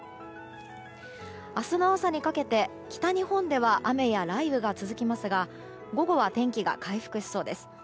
明日の朝にかけて北日本では雨や雷雨が続きますが午後は天気が回復しそうです。